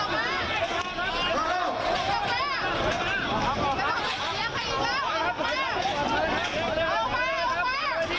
แล้วก็ตอบแล้วได้